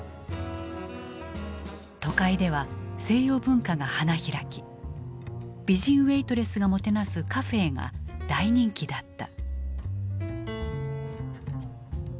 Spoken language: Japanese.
都会では西洋文化が花開き美人ウエートレスがもてなすカフェーが大人気だった。